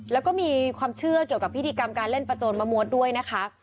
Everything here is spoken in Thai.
แล้วก็มีความเชื่อเกี่ยวกับพิธีกรรมการเล่นประโจนมะมวดด้วยนะคะ